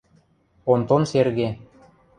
– Онтон Серге.